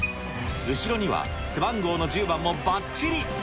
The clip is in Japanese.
後ろには背番号の１０番もばっちり。